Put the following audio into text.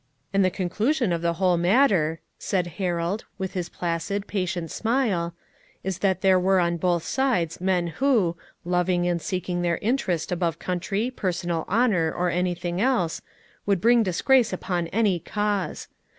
"And the conclusion of the whole matter," said Harold, with his placid, patient smile, "is that there were on both sides men who, loving and seeking their own interest above country, personal honor, or anything else, would bring disgrace upon any cause.